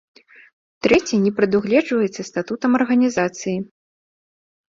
Трэці не прадугледжваецца статутам арганізацыі.